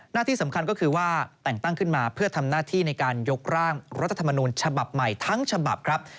หน้าที่สำคัญก็คือว่าแต่งตั้งขึ้นมาเพื่อทำหน้าที่ในการยกร่างรัฐธรรมนูญฉบับใหม่ทั้งฉบับครับ